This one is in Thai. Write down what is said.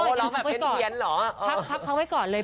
เพราะว่าร้องแบบเป็นเพียร์นหรอพักใช้เขาไว้ก่อนเลย